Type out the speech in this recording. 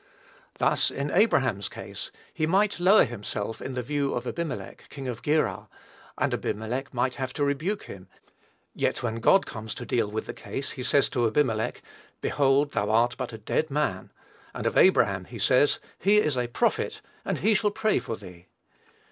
Thus, in Abraham's case, he might lower himself in the view of Abimelech, king of Gerar; and Abimelech might have to rebuke him, yet, when God comes to deal with the case, he says to Abimelech, "Behold, thou art but a dead man;" and of Abraham he says, "He is a prophet, and he shall pray for thee."